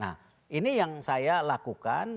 nah ini yang saya lakukan